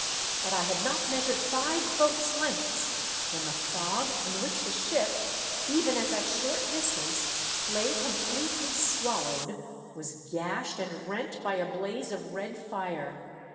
But I had not measured five boat's lengths when the fog in which the ship, even at that short distance, lay completely swallowed was gashed and rent by a blaze of red fire.